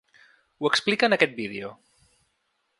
Ho explica en aquest vídeo.